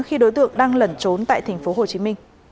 khi đối tượng đang lẩn trốn tại tp hcm